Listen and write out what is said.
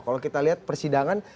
kalau kita lihat persidangan